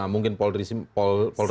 mungkin polriat polriat masuk